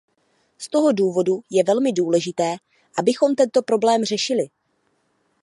Z toho důvodu je velmi důležité, abychom tento problém řešili.